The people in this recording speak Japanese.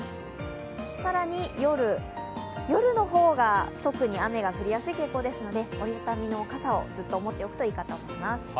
更に夜の方が特に雨が降りやすい傾向ですので、折り畳みの傘をずっと持っておくといいかと思います。